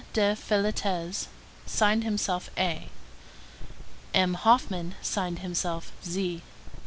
de Féletez signed himself A.; M. Hoffmann signed himself Z.